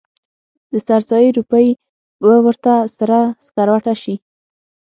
د سر سایې روپۍ به ورته سره سکروټه شي.